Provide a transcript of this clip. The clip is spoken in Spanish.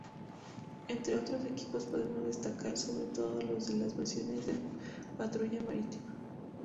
Entre otros equipos podemos destacar sobre todo los de las versiones de patrulla marítima.